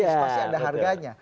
pasti ada harganya